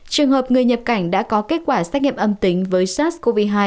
trường hợp người nhập cảnh đã có kết quả xét nghiệm âm tính với sars cov hai